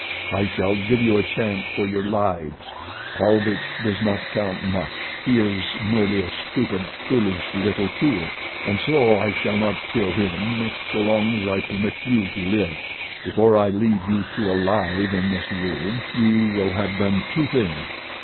"I shall give you a chance for your lives. Paulvitch does not count much—he is merely a stupid, foolish little tool, and so I shall not kill him so long as I permit you to live. Before I leave you two alive in this room you will have done two things.